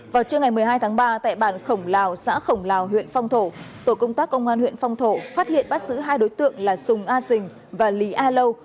vào trưa ngày một mươi hai tháng ba tại bản khổng lào xã khổng lào huyện phong thổ tổ công tác công an huyện phong thổ phát hiện bắt giữ hai đối tượng là sùng a dình và lý a lâu